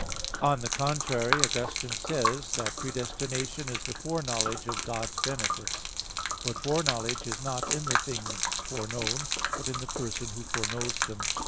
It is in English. On the contrary, Augustine says (De Praed. Sanct. ii, 14) that "predestination is the foreknowledge of God's benefits." But foreknowledge is not in the things foreknown, but in the person who foreknows them.